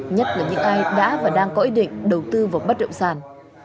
nhất là những ai đã và đang có ý định đầu tư vào bất động sản